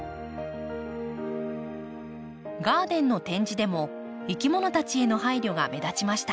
ガーデンの展示でもいきものたちへの配慮が目立ちました。